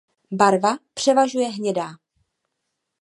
Barva převažuje hnědá.